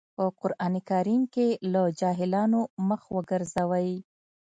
په قرآن کريم کې له جاهلانو مخ وګرځوئ.